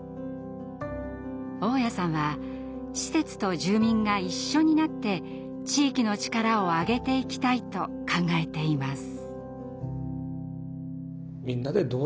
雄谷さんは施設と住民が一緒になって地域の力を上げていきたいと考えています。